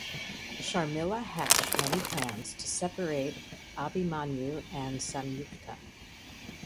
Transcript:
Sharmila hatch many plans to separate Abhimanyu and Samyukta.